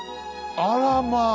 あらまあ！